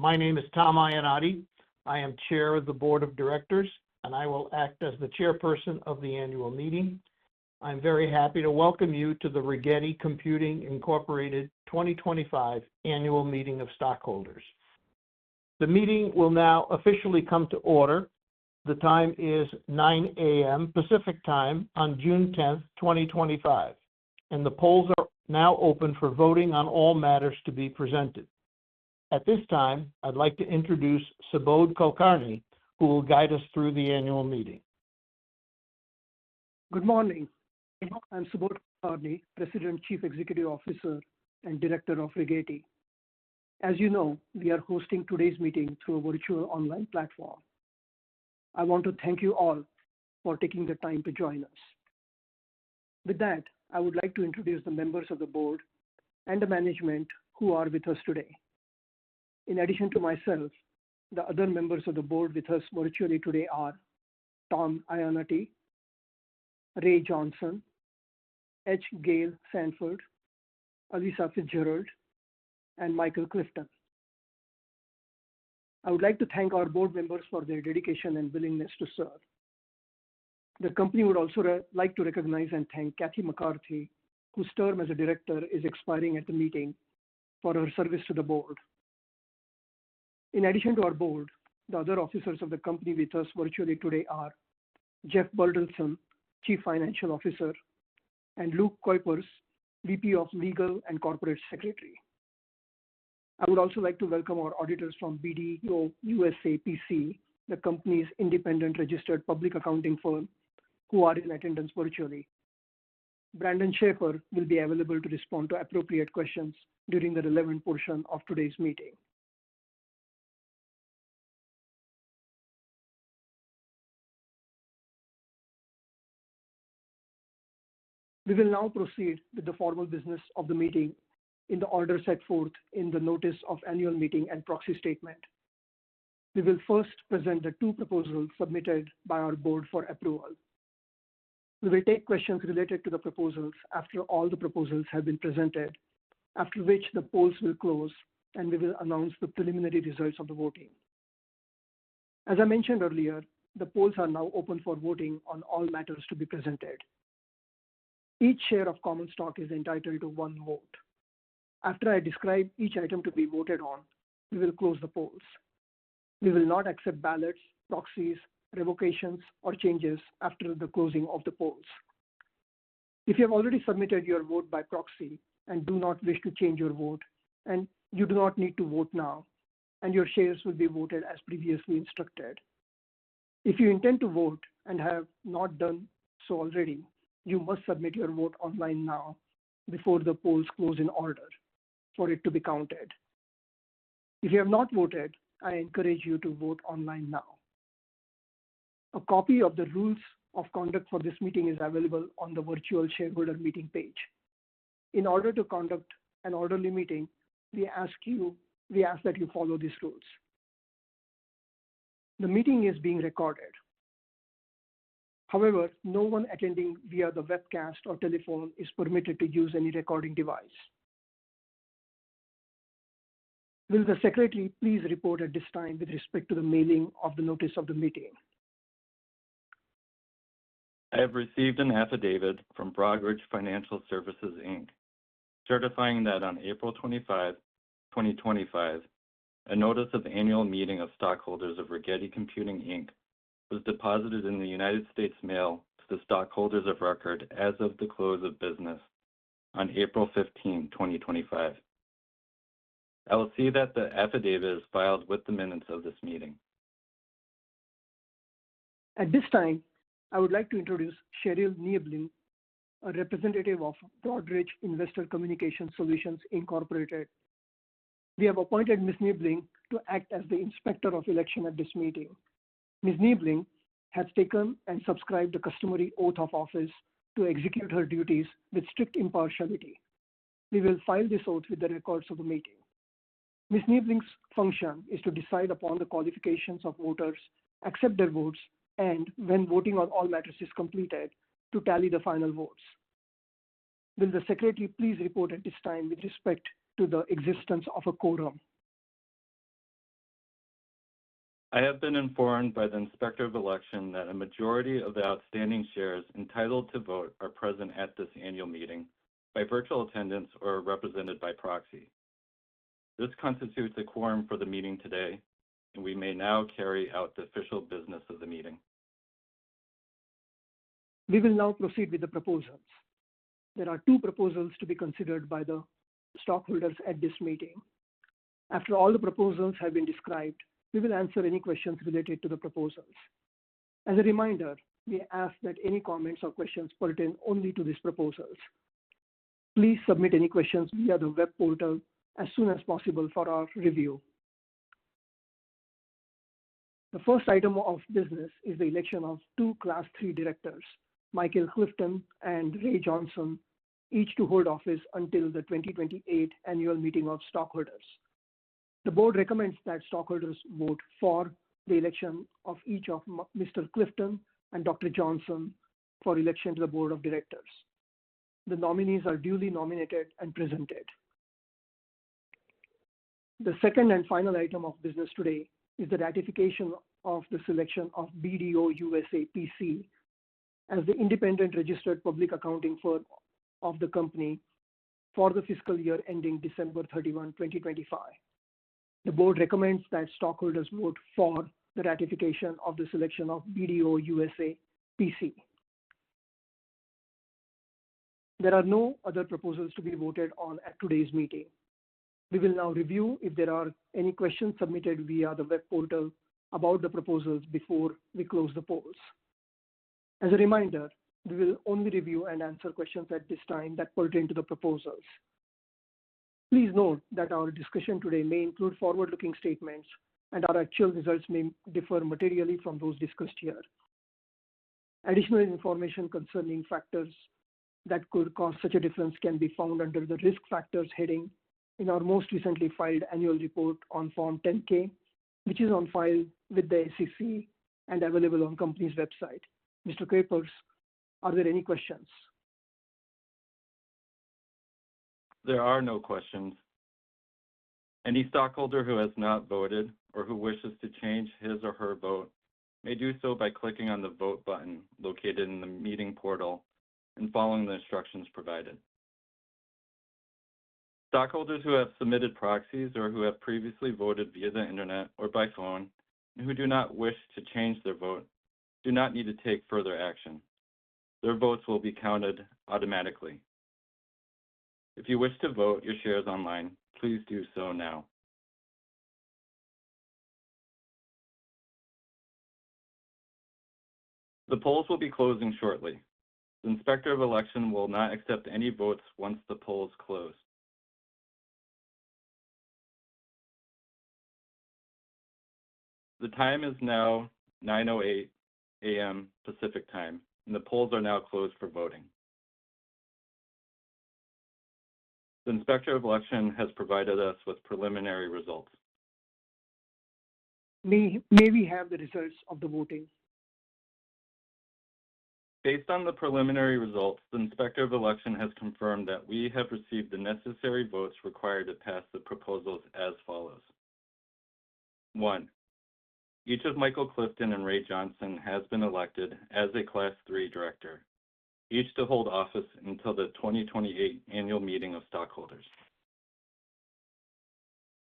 My name is Tom Iannotti. I am Chair of the Board of Directors, and I will act as the Chairperson of the Annual Meeting. I'm very happy to welcome you to the Rigetti Computing 2025 Annual Meeting of Stockholders. The meeting will now officially come to order. The time is 9:00 A.M. Pacific Time on June 10th, 2025, and the polls are now open for voting on all matters to be presented. At this time, I'd like to introduce Subodh Kulkarni, who will guide us through the Annual Meeting. Good morning. I'm Subodh Kulkarni, President, Chief Executive Officer, and Director of Rigetti. As you know, we are hosting today's meeting through a virtual online platform. I want to thank you all for taking the time to join us. With that, I would like to introduce the members of the Board and the management who are with us today. In addition to myself, the other members of the Board with us virtually today are Tom Iannotti, Ray Johnson, H. Gale Sanford, Alissa Fitzgerald, and Michael Clifton. I would like to thank our Board members for their dedication and willingness to serve. The company would also like to recognize and thank Kathy McCarthy, whose term as a Director is expiring at the meeting, for her service to the Board. In addition to our Board, the other officers of the company with us virtually today are Jeff Bertelsen, Chief Financial Officer, and Luke Kuipers, VP of Legal and Corporate Secretary. I would also like to welcome our auditors from BDO USA, P.C., the company's independent registered public accounting firm, who are in attendance virtually. Brandon Schaefer will be available to respond to appropriate questions during the relevant portion of today's meeting. We will now proceed with the formal business of the meeting in the order set forth in the Notice of Annual Meeting and Proxy Statement. We will first present the two proposals submitted by our Board for approval. We will take questions related to the proposals after all the proposals have been presented, after which the polls will close, and we will announce the preliminary results of the voting. As I mentioned earlier, the polls are now open for voting on all matters to be presented. Each share of common stock is entitled to one vote. After I describe each item to be voted on, we will close the polls. We will not accept ballots, proxies, revocations, or changes after the closing of the polls. If you have already submitted your vote by proxy and do not wish to change your vote, you do not need to vote now, and your shares will be voted as previously instructed. If you intend to vote and have not done so already, you must submit your vote online now before the polls close in order for it to be counted. If you have not voted, I encourage you to vote online now. A copy of the rules of conduct for this meeting is available on the virtual shareholder meeting page. In order to conduct an orderly meeting, we ask that you follow these rules. The meeting is being recorded. However, no one attending via the webcast or telephone is permitted to use any recording device. Will the Secretary please report at this time with respect to the mailing of the Notice of the Meeting? I have received an affidavit from Broadridge Financial Services, Inc., certifying that on April 25, 2025, a Notice of Annual Meeting of Stockholders of Rigetti Computing, Inc., was deposited in the United States Mail to the Stockholders of Record as of the close of business on April 15, 2025. I will see that the affidavit is filed with the minutes of this meeting. At this time, I would like to introduce Sheryl Niebling, a representative of Broadridge Investor Communication Solutions, Incorporated. We have appointed Ms. Niebling to act as the Inspector of Election at this meeting. Ms. Niebling has taken and subscribed a customary oath of office to execute her duties with strict impartiality. We will file this oath with the records of the meeting. Ms. Niebling's function is to decide upon the qualifications of voters, accept their votes, and, when voting on all matters is completed, to tally the final votes. Will the Secretary please report at this time with respect to the existence of a quorum? I have been informed by the Inspector of Election that a majority of the outstanding shares entitled to vote are present at this Annual Meeting by virtual attendance or represented by proxy. This constitutes a quorum for the meeting today, and we may now carry out the official business of the meeting. We will now proceed with the proposals. There are two proposals to be considered by the stockholders at this meeting. After all the proposals have been described, we will answer any questions related to the proposals. As a reminder, we ask that any comments or questions pertain only to these proposals. Please submit any questions via the web portal as soon as possible for our review. The first item of business is the election of two Class 3 directors, Michael Clifton and Ray Johnson, each to hold office until the 2028 Annual Meeting of Stockholders. The Board recommends that stockholders vote for the election of each of Mr. Clifton and Dr. Johnson for election to the Board of Directors. The nominees are duly nominated and presented. The second and final item of business today is the ratification of the selection of BDO USA, P.C. as the independent registered public accounting firm of the company for the fiscal year ending December 31, 2025. The Board recommends that stockholders vote for the ratification of the selection of BDO USA, P.C. There are no other proposals to be voted on at today's meeting. We will now review if there are any questions submitted via the web portal about the proposals before we close the polls. As a reminder, we will only review and answer questions at this time that pertain to the proposals. Please note that our discussion today may include forward-looking statements, and our actual results may differ materially from those discussed here. Additional information concerning factors that could cause such a difference can be found under the Risk Factors heading in our most recently filed Annual Report on Form 10-K, which is on file with the SEC and available on the company's website. Mr. Kuipers, are there any questions? There are no questions. Any stockholder who has not voted or who wishes to change his or her vote may do so by clicking on the Vote button located in the meeting portal and following the instructions provided. Stockholders who have submitted proxies or who have previously voted via the internet or by phone and who do not wish to change their vote do not need to take further action. Their votes will be counted automatically. If you wish to vote your shares online, please do so now. The polls will be closing shortly. The Inspector of Election will not accept any votes once the polls close. The time is now 9:08 A.M. Pacific Time, and the polls are now closed for voting. The Inspector of Election has provided us with preliminary results. May we have the results of the voting? Based on the preliminary results, the Inspector of Election has confirmed that we have received the necessary votes required to pass the proposals as follows. One, each of Michael Clifton and Ray Johnson has been elected as a Class 3 director, each to hold office until the 2028 Annual Meeting of Stockholders.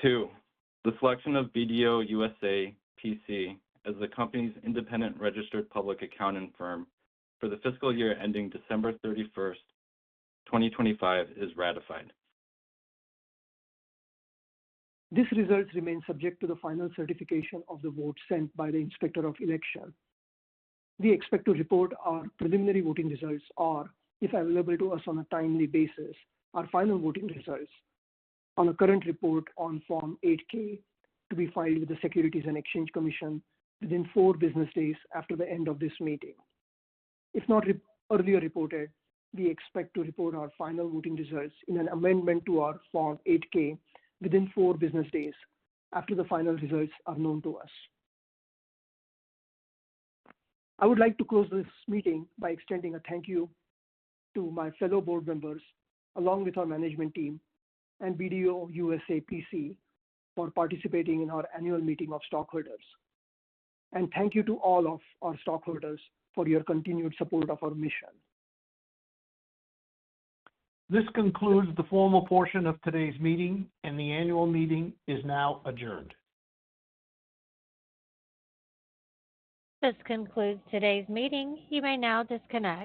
Two, the selection of BDO USA, P.C. as the company's independent registered public accounting firm for the fiscal year ending December 31, 2025, is ratified. These results remain subject to the final certification of the vote sent by the Inspector of Election. We expect to report our preliminary voting results or, if available to us on a timely basis, our final voting results on a current report on Form 8-K to be filed with the Securities and Exchange Commission within four business days after the end of this meeting. If not earlier reported, we expect to report our final voting results in an amendment to our Form 8-K within four business days after the final results are known to us. I would like to close this meeting by extending a thank you to my fellow Board members, along with our management team and BDO USA, P.C., for participating in our Annual Meeting of Stockholders. Thank you to all of our stockholders for your continued support of our mission. This concludes the formal portion of today's meeting, and the Annual Meeting is now adjourned. This concludes today's meeting. You may now disconnect.